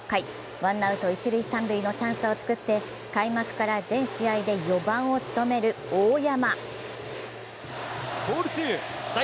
ワンアウト一・三塁のチャンスをつくって、開幕から全試合で４番を務める大山。